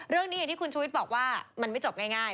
อย่างที่คุณชุวิตบอกว่ามันไม่จบง่าย